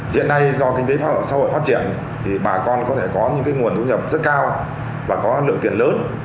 hiện nay do kinh tế xã hội phát triển thì bà con có thể có những cái nguồn thu nhập rất cao và có lượng tiền lớn